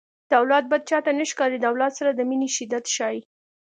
د اولاد بد چاته نه ښکاري د اولاد سره د مینې شدت ښيي